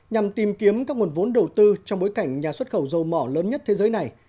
nhằm tìm kiếm các nguồn vốn đầu tư trong bối cảnh nhà xuất khẩu dầu mỏ lớn nhất thế giới này